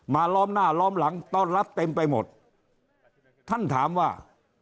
ล้อมหน้าล้อมหลังต้อนรับเต็มไปหมดท่านถามว่า